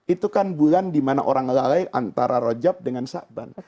itu kan bulan dimana orang lalai antara rojab dengan syaban